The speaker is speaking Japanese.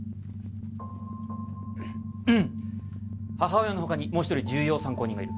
母親の他にもう一人重要参考人がいる。